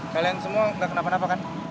kalian semua gak kenapa kenapa kan